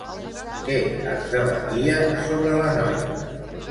Què es debatia sobre la noia?